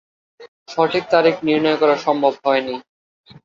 সঠিক তারিখ নির্ণয় করা সম্ভব হয়নি।